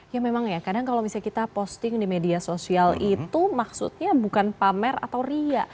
ya memang ya kadang kalau misalnya kita posting di media sosial itu maksudnya bukan pamer atau ria